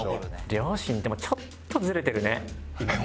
両親でもちょっとズレてるね。